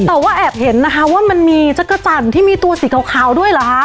แต่ว่าแอบเห็นนะคะว่ามันมีจักรจันทร์ที่มีตัวสีขาวด้วยเหรอคะ